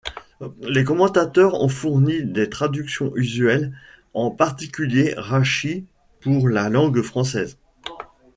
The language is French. Les commentateurs ont fourni des traductions usuelles, en particulier Rachi pour la langue française.